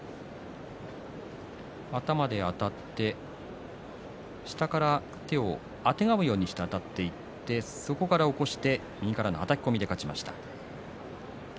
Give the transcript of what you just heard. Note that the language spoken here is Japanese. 頭であたって下から手をあてがうようにしてあたっていってそこから起こして右からのはたき込みで勝ちました。